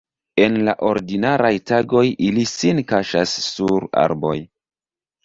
En la ordinaraj tagoj ili sin kaŝas sur arboj.